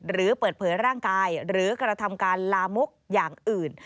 หรือเปิดเผยร่างกายหรือกระทำการลามกอย่างอื่น